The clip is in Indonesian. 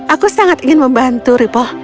aku sangat ingin membantu ripple